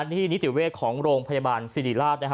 ที่นิติเวทย์ของโรงพยาบาลซิริราฟต์